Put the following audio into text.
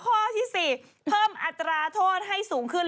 ข้อที่๔เพิ่มอัตราโทษให้สูงขึ้น